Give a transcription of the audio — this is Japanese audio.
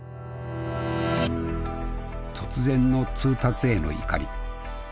突然の通達への怒り。